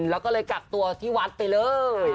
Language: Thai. แล้วก็เลยกักตัวที่วัดไปเลย